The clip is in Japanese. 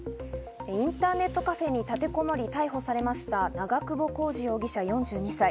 インターネットカフェに立てこもり逮捕されました、長久保浩二容疑者、４２歳。